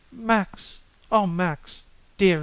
"Max oh, Max dearie!"